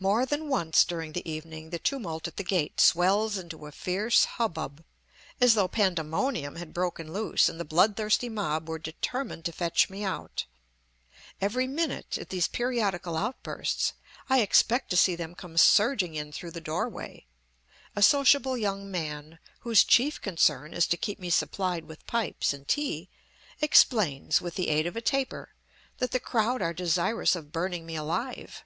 More than once during the evening the tumult at the gate swells into a fierce hubbub, as though pandemonium had broken loose, and the blood thirsty mob were determined to fetch me out. Every minute, at these periodical outbursts, I expect to see them come surging in through the doorway. A sociable young man, whose chief concern is to keep me supplied with pipes and tea, explains, with the aid of a taper, that the crowd are desirous of burning me alive.